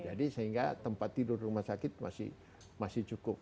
jadi sehingga tempat tidur rumah sakit masih cukup